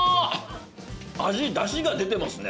味出汁が出てますね